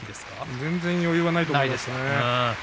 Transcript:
全然、余裕はないと思いますね。